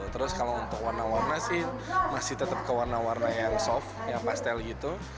terus kalau untuk warna warna sih masih tetap ke warna warna yang soft yang pastel gitu